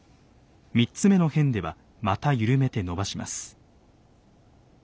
３つ目の辺ではまた緩めて伸ばします。